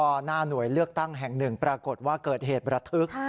ก็หน้าหน่วยเลือกตั้งแห่งหนึ่งปรากฏว่าเกิดเหตุระทึก